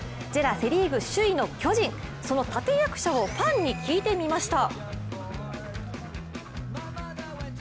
セ・リーグ首位の巨人その立役者をファンに聞いてみました。